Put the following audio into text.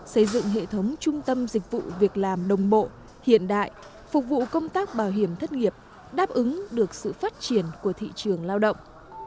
xây dựng hệ thống trung tâm dịch vụ việc làm đồng bộ hiện đại phục vụ công tác bảo hiểm thất nghiệp đáp ứng được sự phát triển của thị trường lao động